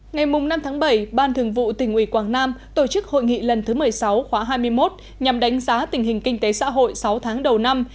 ngày năm tháng bảy ban thường vụ tỉnh ủy quảng nam tổ chức hội nghị lần thứ một mươi sáu khóa hai mươi một nhằm đánh giá tình hình kinh tế xã hội sáu tháng đầu năm